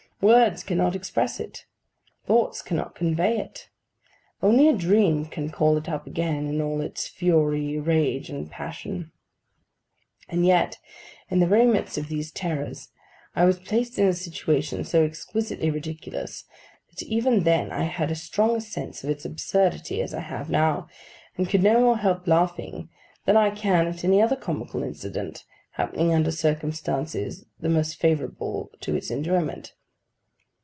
Words cannot express it. Thoughts cannot convey it. Only a dream can call it up again, in all its fury, rage, and passion. And yet, in the very midst of these terrors, I was placed in a situation so exquisitely ridiculous, that even then I had as strong a sense of its absurdity as I have now, and could no more help laughing than I can at any other comical incident, happening under circumstances the most favourable to its enjoyment.